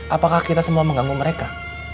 apakah kita semua mengganggu mereka